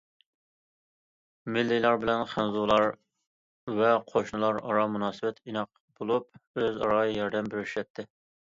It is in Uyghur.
مىللىيلار بىلەن خەنزۇلار ۋە قوشنىلار ئارا مۇناسىۋەت ئىناق بولۇپ، ئۆزئارا ياردەم بېرىشەتتى.